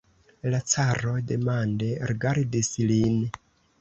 La caro demande rigardis lin.